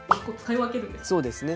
そうですね。